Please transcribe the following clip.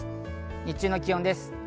日中の気温です。